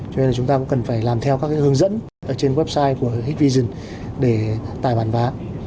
cho nên là chúng ta cũng cần phải làm theo các cái hướng dẫn ở trên website của hikvision để tài bản vá